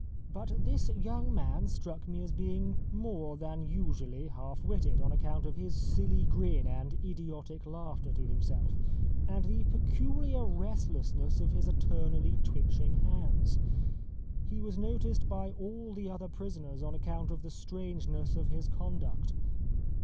But this young man struck me as being more than usually half witted on account of his silly grin and idiotic laughter to himself, and the peculiar restlessness of his eternally twitching hands. He was noticed by all the other prisoners on account of the strangeness of his conduct.